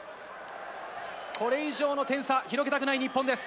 これ以上の点差、広げたくない日本です。